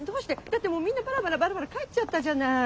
だってもうみんなバラバラバラバラ帰っちゃったじゃない。